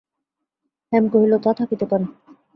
হেম কহিল, তা থাকিতে পারে।